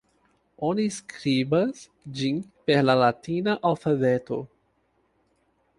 Oni skribas ĝin per la latina alfabeto.